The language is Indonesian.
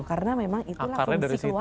karena memang itulah fungsi keluarga